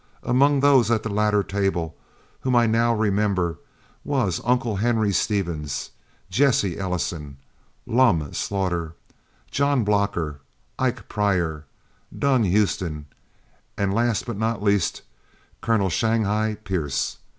Among those at the latter table, whom I now remember, was "Uncle" Henry Stevens, Jesse Ellison, "Lum" Slaughter, John Blocker, Ike Pryor, "Dun" Houston, and last but not least, Colonel "Shanghai" Pierce.